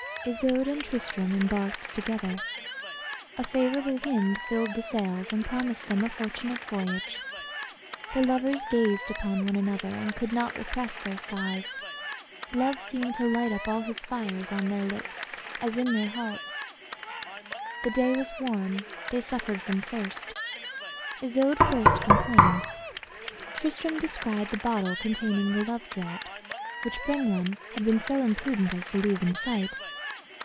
Isoude and Tristram embarked together. A favorable wind filled the sails, and promised them a fortunate voyage. The lovers gazed upon one another, and could not repress their sighs. Love seemed to light up all his fires on their lips, as in their hearts. The day was warm; they suffered from thirst. Isoude first complained. Tristram descried the bottle containing the love draught, which Brengwain had been so imprudent as to leave in sight.